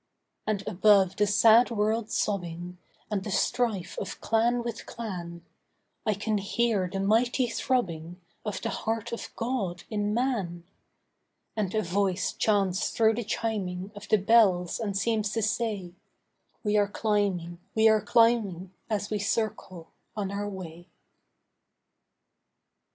And above the sad world's sobbing, And the strife of clan with clan, I can hear the mighty throbbing Of the heart of God in man; And a voice chants through the chiming Of the bells, and seems to say, We are climbing, we are climbing, As we circle on our way.